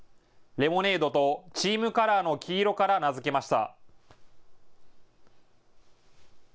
レモネードとチームカラーの黄色から名付けました。